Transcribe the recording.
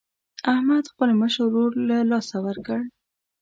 احمد خپل مشر ورور له لاسه ورکړ.